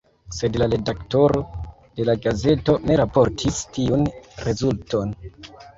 Sed la redaktoro de la gazeto ne raportis tiun rezulton.